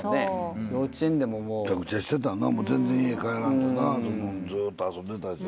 めちゃくちゃしてたな全然家帰らんとなずっと遊んでた。